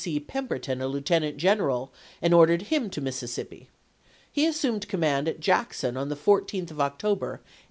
C. Pemberton a lieutenant general and ordered him to Mississippi. He assumed command at Jack son on the 14th of October, 1862.